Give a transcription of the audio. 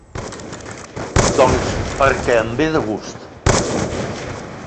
Doncs perquè em ve de gust.